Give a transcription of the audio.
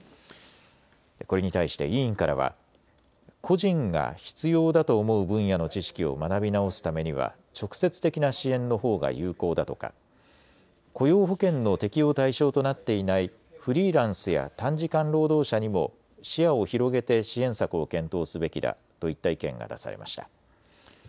これに対して委員からは、個人が必要だと思う分野の知識を学び直すためには直接的な支援のほうが有効だとか雇用保険の適用対象となっていないフリーランスや短時間労働者にも視野を広げて支援策を検討すべきだといった意見が出されました。